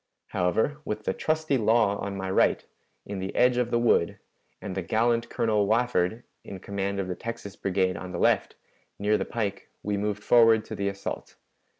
However, with the trusty Law on my right, in the edge of the wood, and the gallant Colonel Wafford in command of the Texas Brigade on the left, near the pike, we moved forward to the assault.